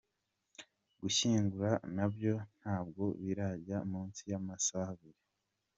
Gushyingura nabyo ntabwo birajya munsi y’amasaha abiri.